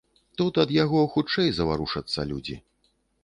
Тут ад яго хутчэй заварушацца людзі.